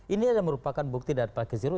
ini adalah merupakan bukti dari pak kezero